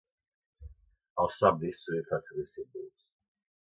Els somnis sovint fan servir símbols